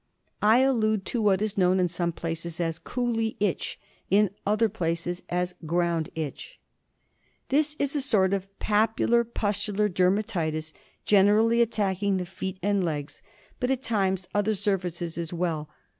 I allude to what is known in some places as " Coolie itch," in other places as " Ground itch." This is a sort of papulo pustular dermatitis, generally attacking the feet and legs, but at times other surfaces as well.